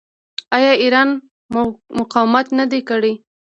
آیا ایران مقاومت نه دی کړی؟